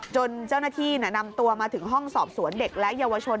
จนเจ้าหน้าที่นำตัวมาถึงห้องสอบสวนเด็กและเยาวชน